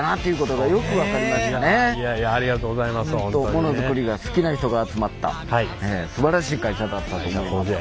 モノづくりが好きな人が集まったすばらしい会社だったと思います。